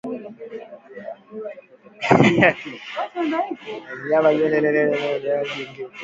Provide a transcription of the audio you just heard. Mnyama kutafuta mahali penye kivuli kutokana na joto jingi mwilini